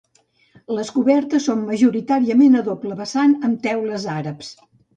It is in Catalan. Les cobertes són majoritàriament a doble vessant amb teules àrabs.